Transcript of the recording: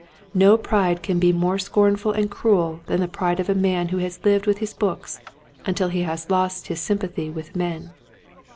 No pride can be more scornful and cruel than the pride of a man who has lived with his books until he has lost his sympathy with men.